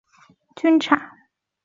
中国大陆各地均产。